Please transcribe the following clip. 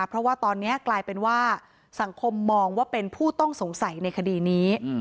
เพราะว่าตอนนี้กลายเป็นว่าสังคมมองว่าเป็นผู้ต้องสงสัยในคดีนี้